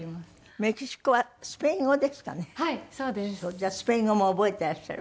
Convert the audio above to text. じゃあスペイン語も覚えていらっしゃる？